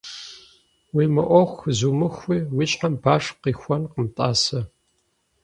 Уи мыӀуэху зумыхуи, уи щхьэм баш къихуэнкъым, тӀасэ.